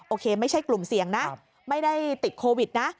โอเคไม่ใช่กลุ่มเสี่ยงนะไม่ได้ติดโควิดนะ